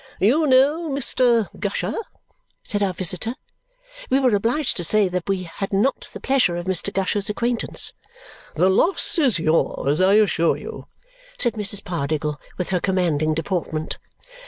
"You know Mr. Gusher?" said our visitor. We were obliged to say that we had not the pleasure of Mr. Gusher's acquaintance. "The loss is yours, I assure you," said Mrs. Pardiggle with her commanding deportment.